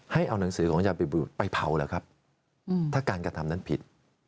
ให้เอาหนังสือของอาจารย์ปีบรุษไปเผาเหรอครับถ้าการกระทำนั้นผิด